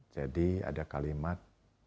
jadi ada kalimat